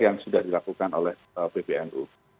yang sudah dilakukan oleh pbnu